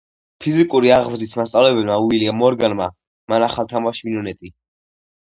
ფიზიკური აღზრდის მასწავლებელმა უილიამ მორგანმა. მან ახალ თამაშს „მინონეტი“